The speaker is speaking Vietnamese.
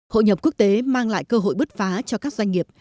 hội nhập quốc tế mang lại cơ hội bứt phá cho các doanh nghiệp